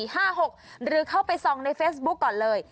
หรือเข้าไปส่องในเฟซบุ๊คก่อนเลย